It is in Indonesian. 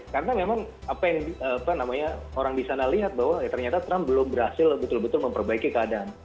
karena memang apa yang orang di sana lihat bahwa ternyata trump belum berhasil betul betul memperbaiki keadaan